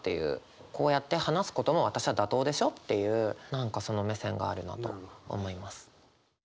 こうやって話すことも私は妥当でしょっていう何かその目線があるなと思います。